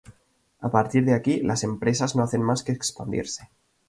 A partir de aquí, las empresas no hacen más que expandirse.